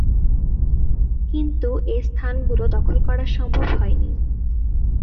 কিন্তু এ স্থানগুলো দখল করা সম্ভব হয়নি।